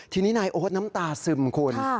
ทีนี้นายโอ๊ตน้ำตาซึมคุณ